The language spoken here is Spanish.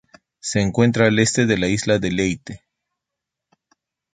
Se encuentra al este de la isla de Leyte.